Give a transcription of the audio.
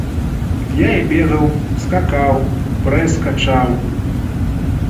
Я і бегаў, скакаў, прэс качаў.